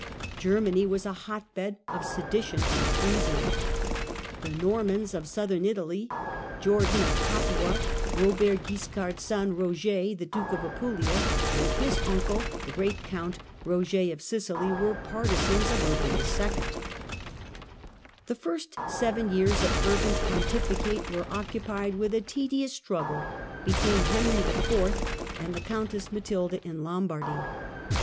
Germany was a hotbed of sedition and treason. The Normans of Southern Italy, Jordan of Capua, Eobert Guiscard's son Eoger, the Duke of Apulia, and his uncle "the great Count," Roger of Sicily, were partisans of Urban II. The first seven years of Urban's pontificate were occupied with a tedious struggle between Henry IV. and the Countess Matilda in Lombardy.